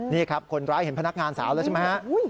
นี่ครับคนร้ายเห็นพนักงานสาวแล้วใช่ไหมฮะ